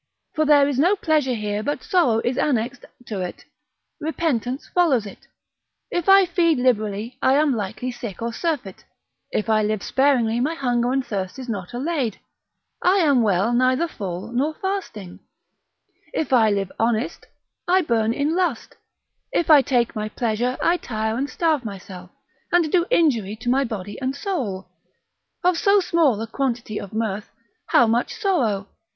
For there is no pleasure here but sorrow is annexed to it, repentance follows it. If I feed liberally, I am likely sick or surfeit: if I live sparingly my hunger and thirst is not allayed; I am well neither full nor fasting; if I live honest, I burn in lust; if I take my pleasure, I tire and starve myself, and do injury to my body and soul. Of so small a quantity of mirth, how much sorrow?